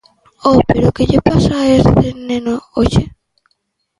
Oh, pero que lle pasa a este neno hoxe?